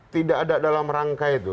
tidak ada dalam rangka itu